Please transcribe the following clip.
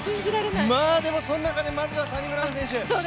でもその中でまずはサニブラウン選手